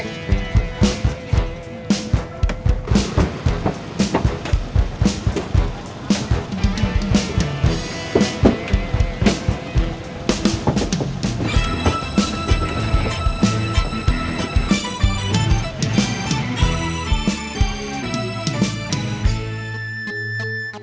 tidak ada apa apa